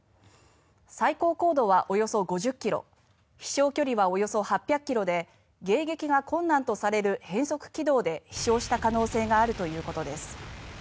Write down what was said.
最高高度はおよそ５０ｋｍ飛翔距離はおよそ８００ｋｍで迎撃が困難とされる変則軌道で飛翔した可能性があるということです。